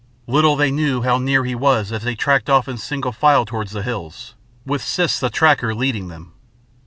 Little they knew how near he was as they tracked off in single file towards the hills, with Siss the Tracker leading them.